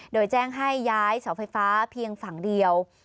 โดยแจ้งให้ย้ายเสาไฟฟ้าเพียงฝั่งเดียว